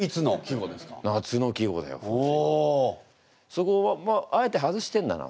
そこはあえて外してんだな